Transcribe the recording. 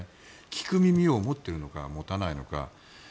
聞く耳を持ってるのか持たないのか。